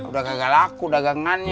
udah gagal laku dagangannya